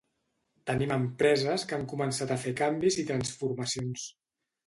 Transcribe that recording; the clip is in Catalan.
Tenim empreses que han començat a fer canvis i transformacions.